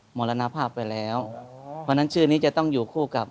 มรณภาพไปแล้วเพราะฉะนั้นชื่อนี้จะต้องอยู่คู่กับ